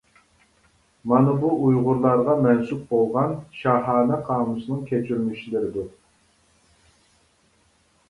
مانا بۇ ئۇيغۇرلارغا مەنسۇپ بولغان شاھانە قامۇسنىڭ كەچۈرمىشلىرىدۇر.